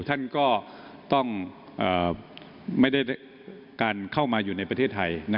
ท่านก็ต้องไม่ได้การเข้ามาอยู่ในประเทศไทย